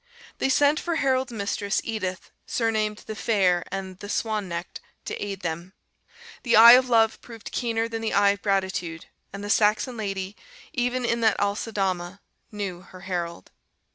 They sent for Harold's mistress, Edith, surnamed "the Fair" and the "Swan necked," to aid them. The eye of love proved keener than the eye of gratitude, and the Saxon lady, even in that Aceldama, knew her Harold.